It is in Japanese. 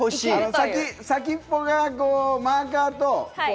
先っぽがマーカーと。